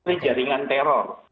ini jaringan teror